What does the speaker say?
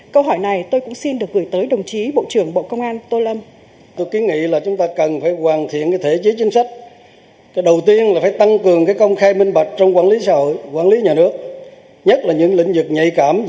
câu hỏi này tôi cũng xin được gửi tới đồng chí bộ trưởng bộ công an tô lâm